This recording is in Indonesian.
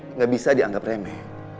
enggak bisa dianggap remeh